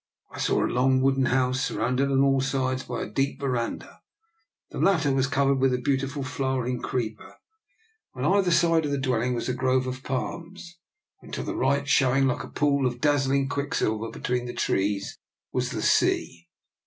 I saw a long wooden house, sur rounded on all sides by a deep verandah. The latter was covered with a beautiful flow ering creeper. On either side of the dwell ing was a grove of palms, and to the right, showing like a pool of dazzling quicksilver between the trees, was the sea.